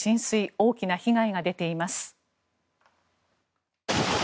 大きな被害が出ています。